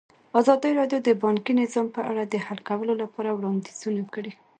ازادي راډیو د بانکي نظام په اړه د حل کولو لپاره وړاندیزونه کړي.